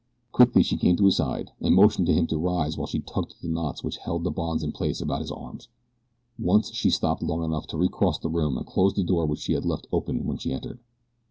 Quickly she came to his side and motioned him to rise while she tugged at the knots which held the bonds in place about his arms. Once she stopped long enough to recross the room and close the door which she had left open when she entered.